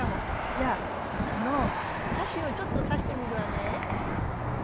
じゃあこの箸をちょっと刺してみるわね。